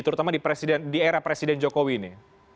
terutama di era presiden jokowi ini